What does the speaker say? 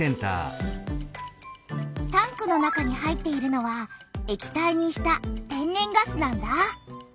タンクの中に入っているのは液体にした天然ガスなんだ。